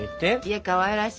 かわいらしい。